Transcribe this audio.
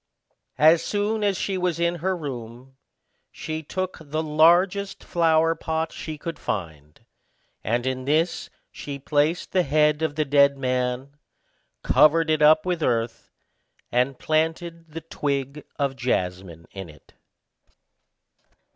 As soon as she was in her room, she took the largest flower pot she could find, and in this she placed the head of the dead man, covered it up with earth, and planted the twig of jasmine in it.